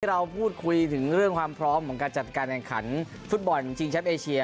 เราพูดคุยถึงเรื่องความพร้อมของการจัดการแข่งขันฟุตบอลชิงแชมป์เอเชีย